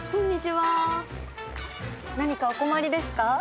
何かお困りですか？